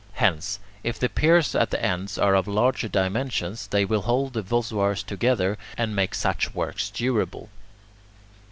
Hence, if the piers at the ends are of large dimensions, they will hold the voussoirs together, and make such works durable.